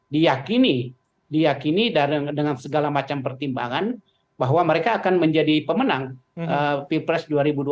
diakini dengan segala macam pertimbangan bahwa mereka akan menjadi pemenang pilpres dua ribu dua puluh